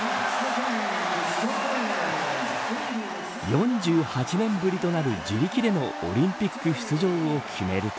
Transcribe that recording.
４８年ぶりとなる自力でのオリンピック出場を決めると。